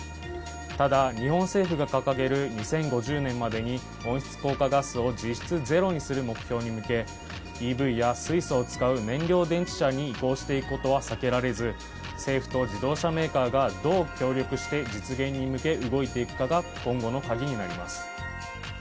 ただ、日本政府が掲げる２０５０年までに温室効果ガスを実質ゼロにする目標に向け、ＥＶや水素を使う燃料電池車に移行していくことは避けられず、政府と自動車メーカーがどう協力して実現に向け動いていくかが今後のカギになります。